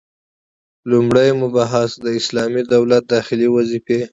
لومړی مبحث: د اسلامي دولت داخلي وظيفي: